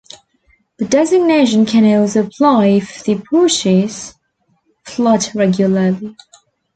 The designation can also apply if the approaches flood regularly.